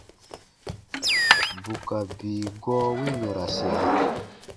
Bù ka bii gɔɔ wi yɔ̃rasia.